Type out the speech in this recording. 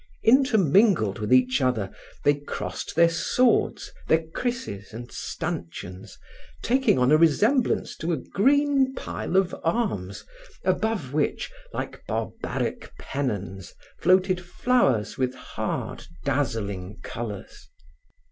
Intermingled with each other, they crossed their swords, their krisses and stanchions, taking on a resemblance to a green pile of arms, above which, like barbaric penons, floated flowers with hard dazzling colors.